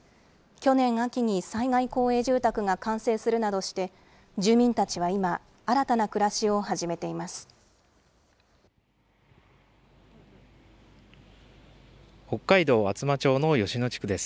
去年秋に災害公営住宅が完成するなどして、住民たちは今、新たな暮らしを始めています。